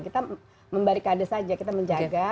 kita membarikade saja kita menjaga